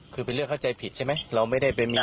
คิดไปเลือกเข้าใจผิดใช่ไหมเราไม่ได้ไปมี